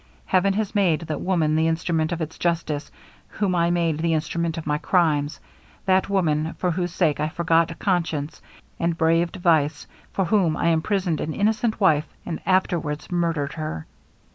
Heaven has made that woman the instrument of its justice, whom I made the instrument of my crimes; that woman, for whose sake I forgot conscience, and braved vice for whom I imprisoned an innocent wife, and afterwards murdered her.'